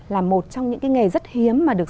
là một trong những nghề rất hiếm mà được